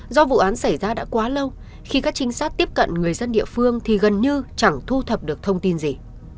do vụ án xảy ra đã quá lâu khi các trinh sát tiếp cận người dân địa phương thì gần như chẳng thu thập được thông tin gì